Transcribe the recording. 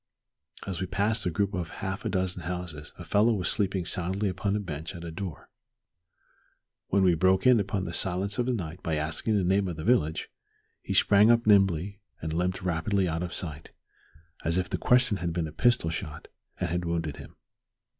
As we passed a group of half a dozen houses a fellow was sleeping soundly upon a bench at a door. When we broke in upon the silence of night by asking the name of the village, he sprang up nimbly and limped rapidly out of sight as if the question had been a pistol shot and had wounded him.